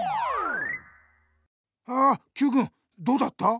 あＱくんどうだった？